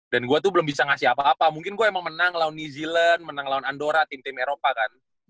dan gue tuh belum bisa ngasih apa apa mungkin gue emang menang lawan new zealand menang lawan andorra tim tim eropa kan